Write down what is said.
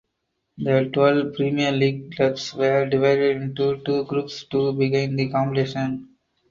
The twelve Premier League clubs were divided into two groups to begin the competition.